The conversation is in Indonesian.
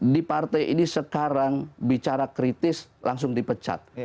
di partai ini sekarang bicara kritis langsung dipecat